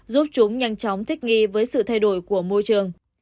giúp chúng nhanh chóng thích nghi với sự thay đổi của môi trường